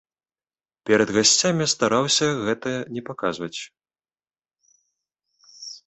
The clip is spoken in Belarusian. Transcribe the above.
Перад гасцямі стараўся гэта не паказваць.